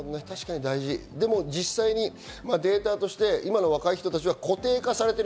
でも実際にデータとして今の若い人たちは固定化されている。